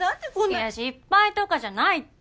いや失敗とかじゃないって。